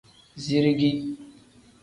Zirigi.